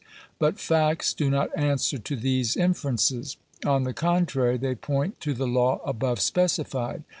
But facts do not answer to these inferences. On the contrary, they point to the law above specified.